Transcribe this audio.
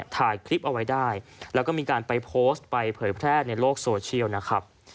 ถ่ายคลิปเอาไว้ได้แล้วก็มีการไปโพสต์ไปเผยแพร่ในโลกโซเชียลนะครับ